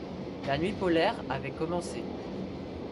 La nuit polaire avait commencé!